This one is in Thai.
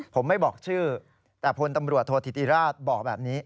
ผมไม่บอกชื่อแต่พลตำรวจโทษธิติราชบอกแบบนี้